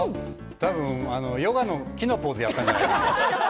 たぶんヨガの木のポーズをやったんじゃないかな。